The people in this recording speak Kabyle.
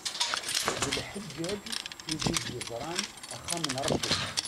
D lḥeǧǧaǧ wid i d-yeẓran axxam n Ṛebbi.